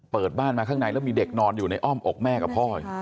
เปิดบ้านมาข้างในแล้วมีเด็กนอนอยู่ในอ้อมอกแม่กับพ่อ